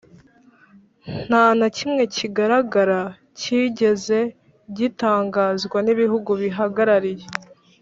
nta na kimwe kigaragara cyigeze gitangazwa n'ibihugu bahagarariye.